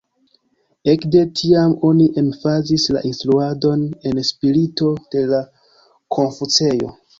Ekde tiam oni emfazis la instruadon en spirito de la Konfuceo.